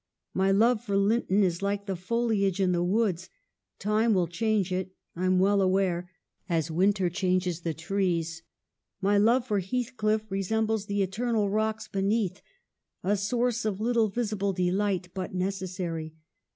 My love for Linton is like the foliage in the woods : time will change it, I'm well aware, as winter changes the trees. My love for Heathcliff resembles the eternal < WUTHERING HEIGHTS? 249 rocks beneath ; a source of little visible delight, but necessary.